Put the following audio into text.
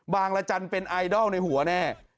บางระจันเป็นไอดอลในหัวเนี่ย